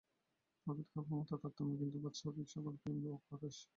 প্রভেদ কেবল মাত্রার তারতম্যে, কিন্তু বাস্তবিক সকলই প্রেমের প্রকাশ।